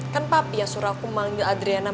kan pap ya suruh aku manggil adriana